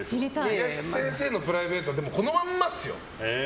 林先生のプライベートはこのまんまですよ。